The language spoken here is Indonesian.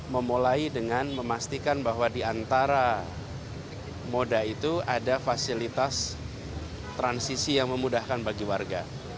memulai dengan memastikan bahwa di antara moda itu ada fasilitas transisi yang memudahkan bagi warga